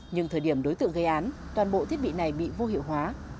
nhưng thời điểm đối tượng gây án toàn bộ thiết bị này bị vô hiệu hóa